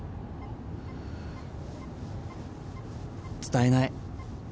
伝えない。